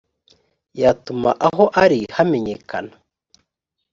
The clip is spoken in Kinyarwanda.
yatuma aho ari hamenyekana